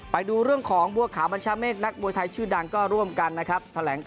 ไปดูเรื่องของบัวขาวบัญชาเมฆนักมวยไทยชื่อดังก็ร่วมกันนะครับ